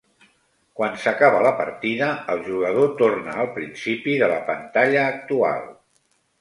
Quan s'acaba la partida, el jugador torna al principi de la pantalla actual.